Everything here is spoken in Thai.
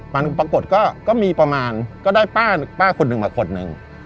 มันปรากฏก็มีประมาณก็ได้ป้าคนหนึ่งมาคนหนึ่ง